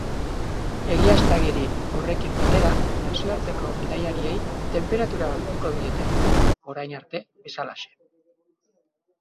Egiaztagiri horrekin batera, nazioarteko bidaiariei tenperatura hartuko diete, orain arte bezalaxe.